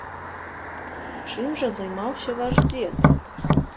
Чым жа займаўся ваш дзед?